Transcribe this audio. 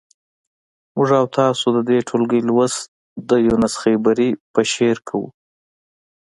موږ او تاسو د دې ټولګي لوست د یونس خیبري په شعر کوو.